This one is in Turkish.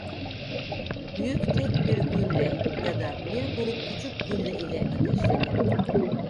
Büyük tek bir gülle ya da bir grup küçük gülle ile ateşlenirdi.